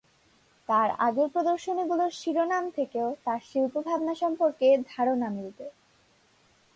তাঁর আগের প্রদর্শনীগুলো শিরোনাম থেকেও তাঁর শিল্প ভাবনা সম্পর্কে ধারণা মিলবে।